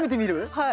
はい。